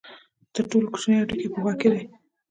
تر ټولو کوچنی هډوکی په غوږ کې دی.